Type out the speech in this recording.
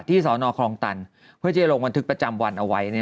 สอนอคลองตันเพื่อจะลงบันทึกประจำวันเอาไว้